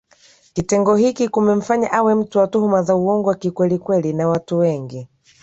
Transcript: kitengo hiki kumemfanya awe mtu wa tuhuma za uongo kikweli kweli na watu wengi